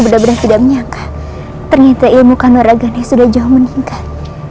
benar benar tidak menyangka ternyata ilmu kanoraganya sudah jauh meningkat